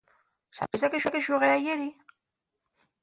¿Sabéis a qué xugué ayeri?